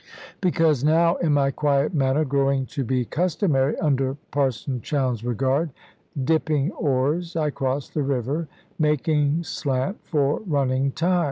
Because now, in my quiet manner (growing to be customary, under Parson Chowne's regard) dipping oars, I crossed the river, making slant for running tide.